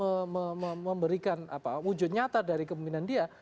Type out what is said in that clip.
tapi mungkin bisa memberikan wujud nyata dari kemimpinan dia